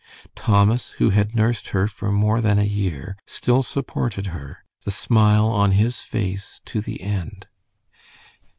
Thomas, who had nursed her for more than a year, still supported her, the smile on his face to the end.